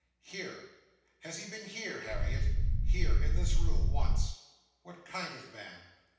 "Here! Has he been here, Harriet?" "Here, in this room. Once." "What kind of man?"